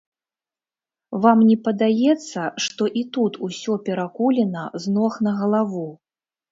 Вам не падаецца, што і тут усё перакулена з ног на галаву?